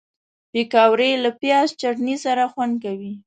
پکورې له پیاز چټني سره خوند کوي